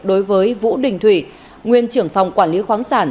đối với vũ đình thủy nguyên trưởng phòng quản lý khoáng sản